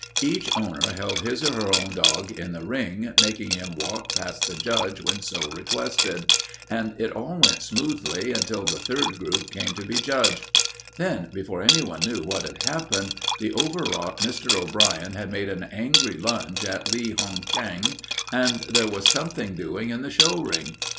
Each owner held his or her own dog in the ring, making him walk past the judge when so requested, and it all went smoothly until the third group came to be judged. Then, before anyone knew what had happened, the overwrought Mr. O'Brien had made an angry lunge at Li Hung Chang, and there was something doing in the show ring.